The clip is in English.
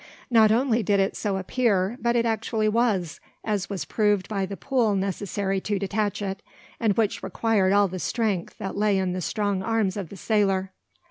Not only did it so appear, but it actually was, as was proved by the pull necessary to detach it, and which required all the strength that lay in the strong arms of the sailor.